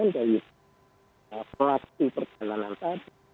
dari pelatih pertahanan tadi